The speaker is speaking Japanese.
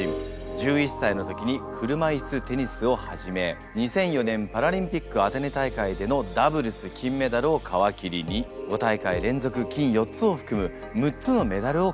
１１歳の時に車いすテニスを始め２００４年パラリンピックアテネ大会でのダブルス金メダルを皮切りに５大会連続金４つを含む６つのメダルを獲得。